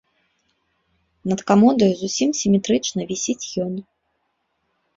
Над камодаю зусім сіметрычна вісіць ён.